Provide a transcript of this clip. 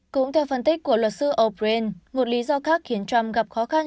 cũng theo phân tích của luật sư o bran một lý do khác khiến trump gặp khó khăn